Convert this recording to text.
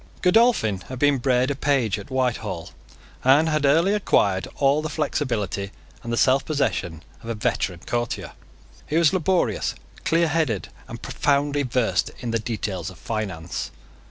Godolphin had been bred a page at Whitehall, and had early acquired all the flexibility and the selfpossession of a veteran courtier. He was laborious, clearheaded, and profoundly versed in the details of finance.